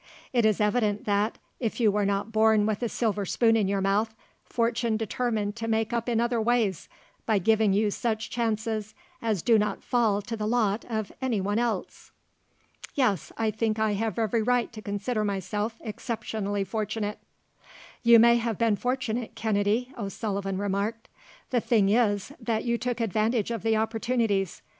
It is evident that, if you were not born with a silver spoon in your mouth, fortune determined to make up in other ways, by giving you such chances as do not fall to the lot of anyone else." "Yes, I think I have every right to consider myself exceptionally fortunate." "You may have been fortunate, Kennedy," O'Sullivan remarked. "The thing is, that you took advantage of the opportunities.